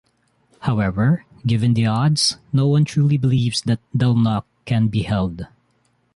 However, given the odds, no-one truly believes that Delnoch can be held.